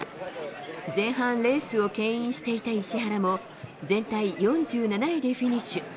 前半レースをけん引していた石原も、全体４７位でフィニッシュ。